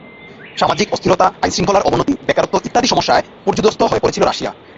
সামাজিক অস্থিরতা, আইনশৃঙ্খলার অবনতি, বেকারত্ব ইত্যাদি সমস্যায় পর্যুদস্ত হয়ে পড়েছিল রাশিয়া।